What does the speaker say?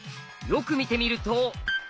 よく見てみると。